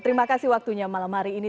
terima kasih waktunya malam hari ini